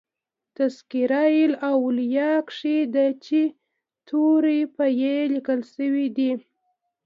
" تذکرةالاولیاء" کښي د "چي" توری هم په "ي" لیکل سوی دئ.